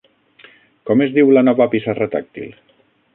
Com es diu la nova pissarra tàctil?